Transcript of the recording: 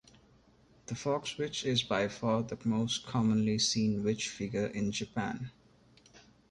The fox witch is by far the most commonly seen witch figure in Japan.